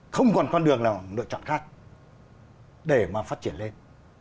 không còn con đường nào lựa chọn khác để mà phát triển lên